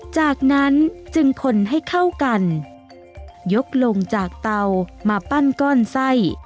จากนั้นจึงคนให้เข้ากันยกลงจากเตามาปั้นก้อนไส้